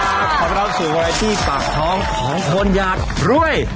สวัสดีครับขอบรับถูกไว้ที่ปากท้องของคนอยากร่วย